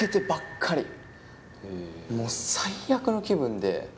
もう最悪の気分で。